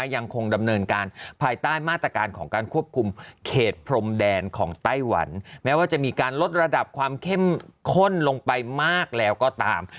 ยังคงดำเนินการภายใต้มาตรการของการควบคุมเขตพรมแดนของไต้หวันแม้ว่าจะมีการลดระดับความเข้มข้นลงไปมากแล้วก็ตาม